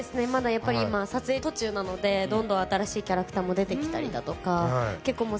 やっぱり今撮影途中なのでどんどん新しいキャラクターも出てきたりだとか